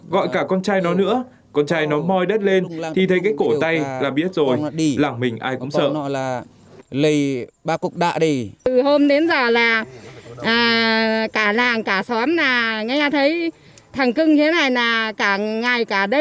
gọi cả con trai nó nữa con trai nó mòi đất lên thì thấy cái cổ tay là biết rồi làng mình ai cũng sợ